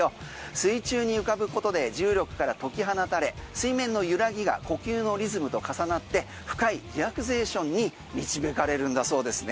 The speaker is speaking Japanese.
水中に浮かぶことで重力から解き放たれ水面の揺らぎが呼吸のリズムと重なって深いリラクゼーションに導かれるんだそうですね。